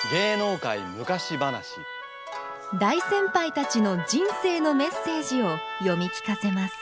大先輩たちの人生のメッセージを読み聞かせます